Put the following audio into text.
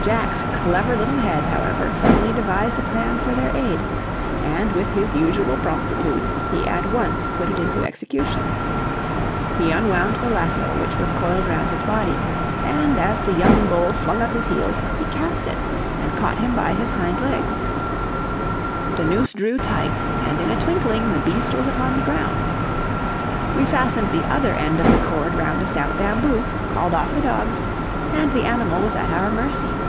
Jack's clever little head, however, suddenly devised a plan for their aid, and with his usual promptitude, he at once put it into execution. He unwound the lasso, which was coiled round his body, and, as the young bull flung up his heels, he cast, it and caught him by his hind legs. The noose drew tight, and in a twinkling the beast was upon the ground. We fastened the other end of the cord round a stout bamboo, called off the dogs, and the animal was at our mercy.